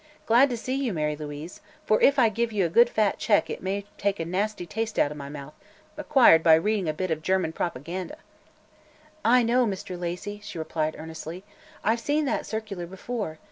"Glad to see you, Mary Louise, for if I give you a good fat check it may take a nasty taste out of my mouth, acquired by reading a bit of German propaganda." "I know, Mr. Lacey," she replied earnestly. "I've seen that circular before.